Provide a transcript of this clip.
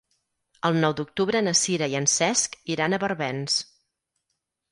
El nou d'octubre na Sira i en Cesc iran a Barbens.